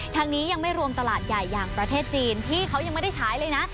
ยังไม่รวมตลาดใหญ่อย่างประเทศจีนที่เขายังไม่ได้ใช้เลยนะ